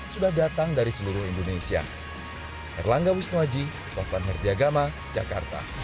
sudah datang dari seluruh indonesia